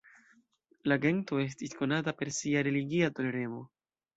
La gento estis konata per sia religia toleremo.